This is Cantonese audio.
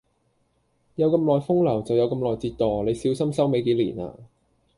有咁耐風流，就有咁耐折墮，你小心收尾幾年呀！